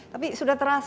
tapi sudah terasa